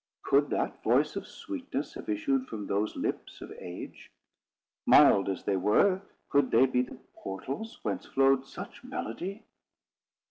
Could that voice of sweetness have issued from those lips of age? Mild as they were, could they be the portals whence flowed such melody?